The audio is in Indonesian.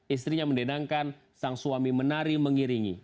istrinya mendenangkan sang suami menari mengiringi